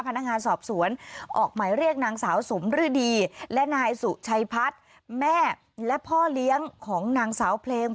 พนักงานสอบสวนออกหมายเรียกนางสาวสมฤดีและนายสุชัยพัฒน์แม่และพ่อเลี้ยงของนางสาวเพลง